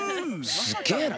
すっげえな。